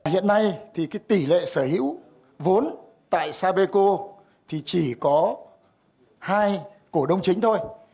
hiện nay thì cái tỷ lệ sở hữu vốn tại sapeco thì chỉ có hai cổ đông chính thôi